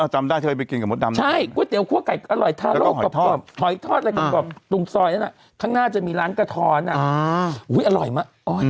จำได้เคยไปกินกับมดดำใช่ก๋วยเตี๋คั่วไก่อร่อยทาโลกกรอบหอยทอดอะไรกรอบตรงซอยนั้นข้างหน้าจะมีร้านกระท้อนอร่อยมาก